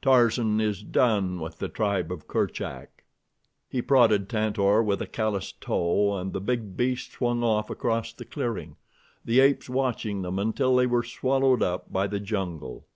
Tarzan is done with the tribe of Kerchak." He prodded Tantor with a calloused toe and the big beast swung off across the clearing, the apes watching them until they were swallowed up by the jungle.